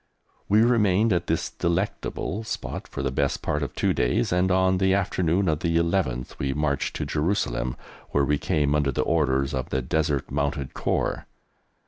We remained at this delectable spot for the best part of two days, and on the afternoon of the 11th we marched to Jerusalem, where we came under the orders of the Desert Mounted Corps.